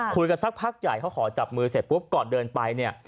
สักพักใหญ่เขาขอจับมือเสร็จปุ๊บก่อนเดินไปเนี่ย